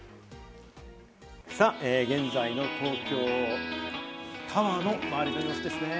現在の東京タワーの周りの様子です。